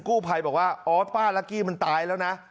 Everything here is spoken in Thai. กู้ภัยบอกว่าอ๋อป้ารักกี้มันตายแล้วนะ